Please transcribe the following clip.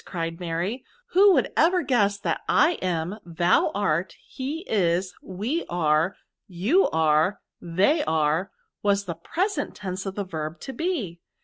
cried Ifaiy* '' Who would ever guess that I am, thou art, he is, we aie, you are, the j are, was the present tense of the verb to be